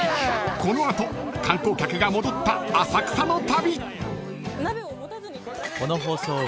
［この後観光客が戻った浅草の旅］